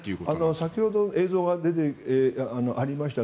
先ほど映像がありました